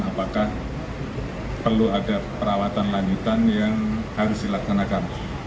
apakah perlu ada perawatan lanjutan yang harus dilaksanakan